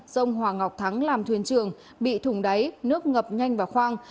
dông hòa ngọc thắng làm thuyền trường bị thùng đáy nước ngập nhanh và khoang